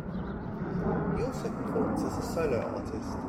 He also performs as a solo artist.